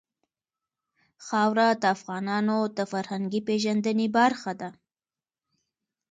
خاوره د افغانانو د فرهنګي پیژندنې برخه ده.